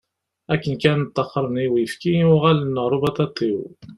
Akken kan taxṛen i uyefki, uɣalen ar ubaṭaṭiw.